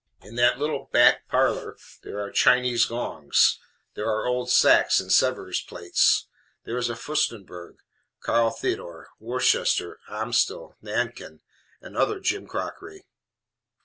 In that little back parlor there are Chinese gongs; there are old Saxe and Sevres plates; there is Furstenberg, Carl Theodor, Worcester, Amstel, Nankin and other jimcrockery.